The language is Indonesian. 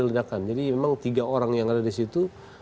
ledakan jadi memang tiga orang yang ada di situ